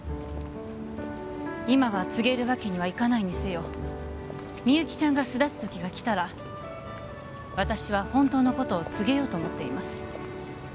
今は告げるわけにはいかないにせよみゆきちゃんが巣立つときが来たら私は本当のことを告げようと思っています